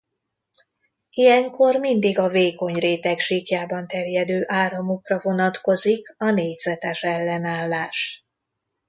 Ilyenkor mindig a vékonyréteg síkjában terjedő áramokra vonatkozik a négyzetes ellenállás.